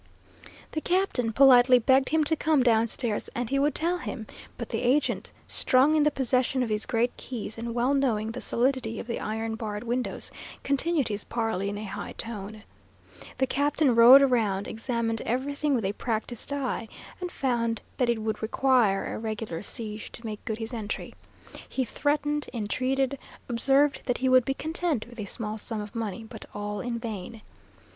The captain politely begged him to come downstairs and he would tell him; but the agent, strong in the possession of his great keys, and well knowing the solidity of the iron barred windows, continued his parley in a high tone. The captain rode round, examined everything with a practised eye, and found that it would require a regular siege to make good his entry. He threatened, entreated, observed that he would be content with a small sum of money, but all in vain.